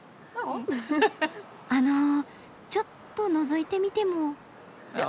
あのちょっとのぞいてみても？